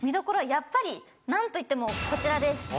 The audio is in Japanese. やっぱりなんといってもこちらです。